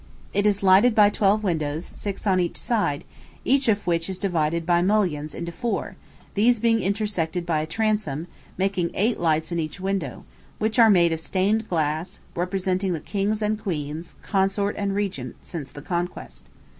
It is lighted by twelve windows, six on each side, each of which is divided by mullions into four, these being intersected by a transom, making eight lights in each window, which are made of stained glass, representing the kings and queens, consort and regnant, since the Conquest.